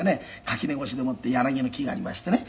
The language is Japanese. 垣根越しでもって柳の木がありましてね。